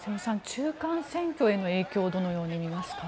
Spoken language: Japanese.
中間選挙への影響をどのように見ますか？